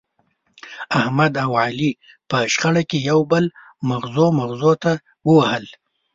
احمد او علي په شخړه کې یو بل مغزو مغزو ته ووهل.